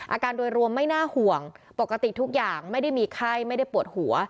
อาการโดยรวมไม่น่าห่วงปกติทุกอย่างไม่ได้มีไข้ไม่ได้ปวดหัว